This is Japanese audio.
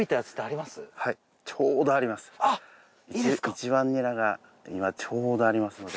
一番ニラが今ちょうどありますので。